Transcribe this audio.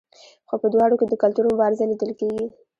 خو په دواړو کې د کلتور مبارزه لیدل کیږي.